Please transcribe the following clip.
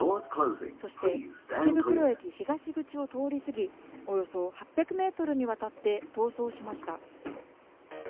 そして池袋駅東口を通りすぎ、およそ８００ｍにわたって逃走しました。